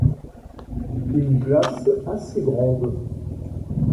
Une glace assez grande.